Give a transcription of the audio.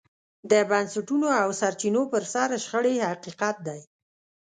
د بنسټونو او سرچینو پر سر شخړې حقیقت دی.